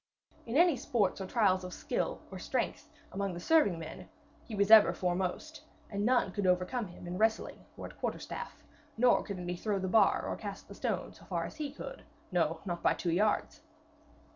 In any sports or trials of strength or skill among the serving men, he was ever foremost, and none could overcome him in wrestling or at quarterstaff, nor could any throw the bar or cast the stone so far as he could, no, not by two yards.